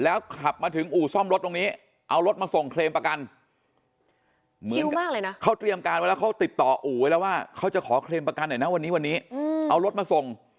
เอารถมาส่ง